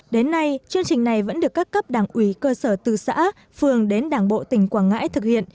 đến nay chương trình này vẫn được các cấp đảng ủy cơ sở từ xã phường đến đảng bộ tỉnh quảng ngãi thực hiện